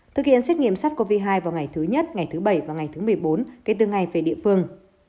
thực hiện xét nghiệm sars cov hai vào ngày thứ nhất ngày thứ bảy và ngày thứ một mươi bốn kể từ ngày về địa phương